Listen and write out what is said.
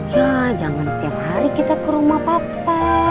ya jangan setiap hari kita ke rumah papa